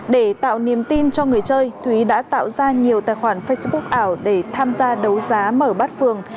để tạo niềm tin cho người chơi thúy đã tạo ra nhiều tài khoản facebook ảo để tham gia đấu giá mở bát phường